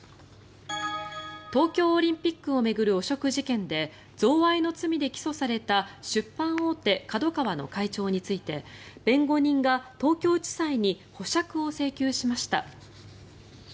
東京オリンピックを巡る汚職事件で贈賄の罪で起訴された出版大手ＫＡＤＯＫＡＷＡの会長について弁護人が東京地裁に保釈を請求しました。